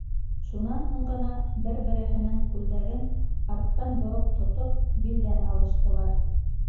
Шунан һуң ғына, бер-береһенең күлдәген арттан бороп тотоп, билдән алыштылар.